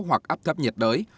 hoặc áp thấp nhiệt đới